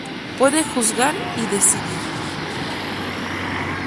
Puede juzgar y decidir.